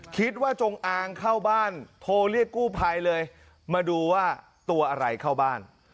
จงอางเข้าบ้านโทรเรียกกู้ภัยเลยมาดูว่าตัวอะไรเข้าบ้าน